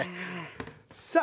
さあ